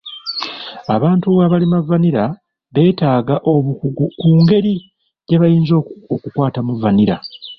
Abantu abalima vanilla beetaaga obukugu ku ngeri gye bayinza okukwatamu vanilla.